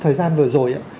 thời gian vừa rồi